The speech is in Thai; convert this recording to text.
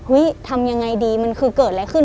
ทำยังไงดีมันคือเกิดอะไรขึ้น